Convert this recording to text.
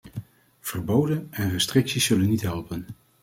Verboden en restricties zullen niet helpen.